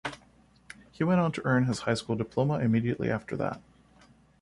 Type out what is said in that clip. He went on to earn his high school diploma immediately after that.